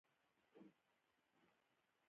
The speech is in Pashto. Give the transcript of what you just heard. خپله ژبه یې د شرم او پسماندګۍ سبب بولي.